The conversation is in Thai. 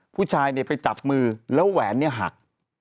ผู้ชายไปจับมือแล้วแหวนเนี่ยหัก